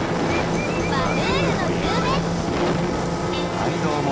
はいども。